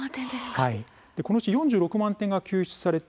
このうち４６万点が救出され